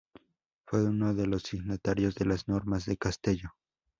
Fue uno de los signatarios de las Normas de Castelló.